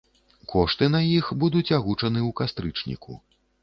Кошты на іх будуць агучаны ў кастрычніку.